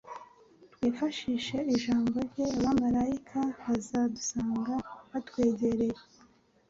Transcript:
twifashishije Ijambo rye, abamaraika bazadusanga batwegere,